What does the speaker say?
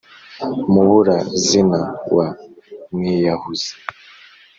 mubura-zina wa mwiyahuzi,